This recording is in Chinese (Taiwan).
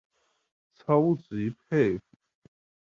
超級佩服